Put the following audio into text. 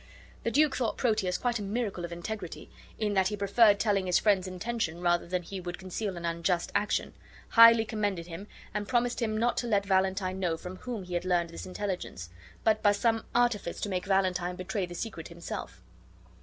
The duke thought Proteus quite a miracle of integrity, in that he preferred telling his friend's intention rather than he would conceal an unjust action; highly commended him, and promised him not to let Valentine know from whom he had learned this intelligence, but by some artifice to make Valentine betray the secret himself.